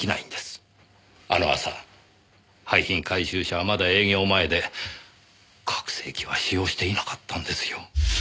あの朝廃品回収車はまだ営業前で拡声器は使用していなかったんですよ。